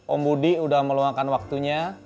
om budi sudah meluangkan waktunya